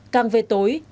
càng về tối